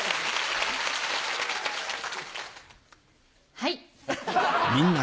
はい。